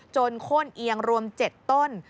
โค้นเอียงรวม๗ต้น